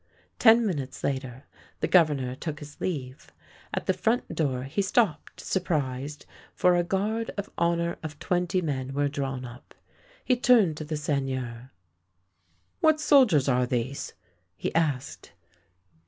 Ten minutes later the Governor took his leave. At the front door he stopped surprised, for a guard of honour of twenty men were drawn up. He turned to the Seigneur. " What soldiers are these? " he asked.